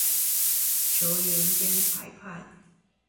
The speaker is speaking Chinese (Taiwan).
球員兼裁判